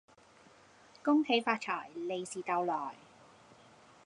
恭喜發財，利是逗來